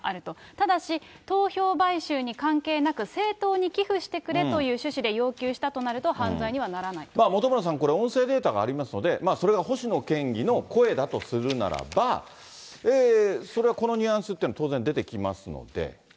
ただし、投票買収に関係なく、政党に寄付してくれという趣旨で要求したと本村さん、これ、音声データがありますので、それが星野県議の声だとするならば、それはこのニュアンスっていうのは当然、出てきますので。